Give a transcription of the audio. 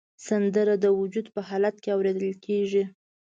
سندره د وجد په حالت کې اورېدل کېږي